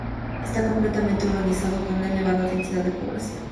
Está completamente urbanizado con una elevada densidad de población.